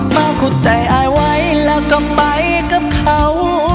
มาขุดใจอายไว้แล้วก็ไปกับเขา